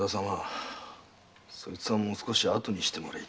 そいつはもう少しあとにしてもらいてえんで。